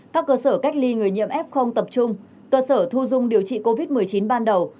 các cơ sở cách ly người nhiễm f tập trung cơ sở thu dung điều trị covid một mươi chín ban đầu